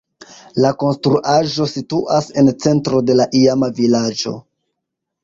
La konstruaĵo situas en centro de la iama vilaĝo.